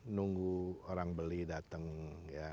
nunggu orang beli dateng ya